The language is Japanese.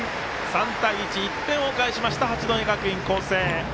３対１、１点を返しました八戸学院光星。